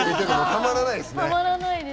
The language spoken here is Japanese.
たまらないです。